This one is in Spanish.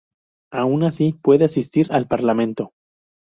Aun así, puede asistir al Parlamento.